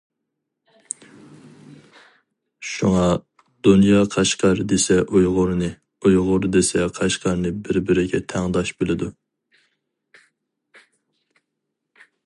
شۇڭا، دۇنيا قەشقەر دېسە ئۇيغۇرنى، ئۇيغۇر دېسە قەشقەرنى بىر بىرىگە تەڭداش بىلىدۇ.